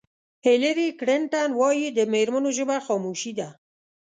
هېلري کلنټن وایي د مېرمنو ژبه خاموشي ده.